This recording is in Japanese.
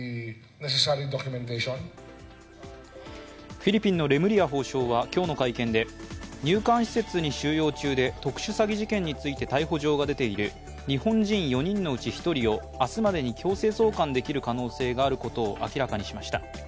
フィリピンのレムリヤ法相は今日の会見で入管施設に収容中で特殊詐欺事件について逮捕状が出ている日本人４人のうち１人を明日までに強制送還できる可能性があることを明らかにしました。